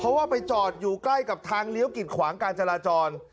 เพราะว่าไปจอดอยู่ใกล้กับทางเลี้ยวกิดขวางการจราจร